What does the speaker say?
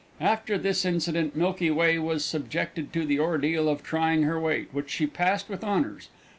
After this incident Milky Way was subjected to the ordeal of trying her weight, which she passed with honours.